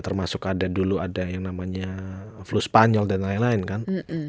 termasuk ada dulu ada yang namanya flu spanyol dan lain lain kan